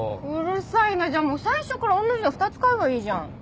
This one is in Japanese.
うるさいなじゃあもう最初から同じの２つ買えばいいじゃん。